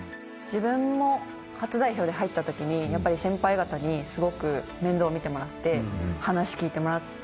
自分も初代表で入った時にやっぱり先輩方にすごく面倒みてもらって話聞いてもらって。